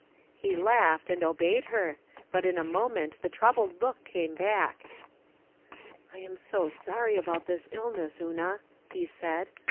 He laughed and obeyed her, but in a moment the troubled look came back. "I am so sorry about this illness, Una," he said.